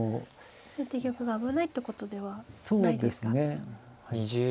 先手玉が危ないってことではないですか。